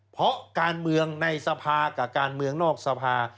เพราะการเมืองในสภากับการเมืองนอกสภา